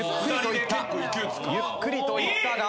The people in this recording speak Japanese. ゆっくりといった。